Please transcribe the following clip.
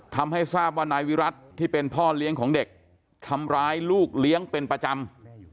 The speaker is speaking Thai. ทำให้ทราบว่านายวิรัติที่เป็นพ่อเลี้ยงของเด็กทำร้ายลูกเลี้ยงเป็นประจำ